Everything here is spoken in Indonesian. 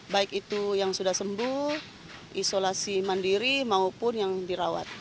baik itu yang sudah sembuh isolasi mandiri maupun yang dirawat